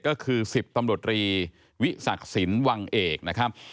ก็คือ๑๐ตำรวจรีวิศักดิ์สินวังเอกนะครับ